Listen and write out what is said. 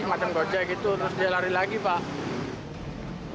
macam boja gitu terus dia lari lagi pak